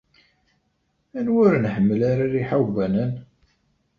Anwa ur iḥemmlen ara rriḥa n ubanan?